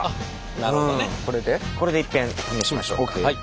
これでいっぺん試しましょうか。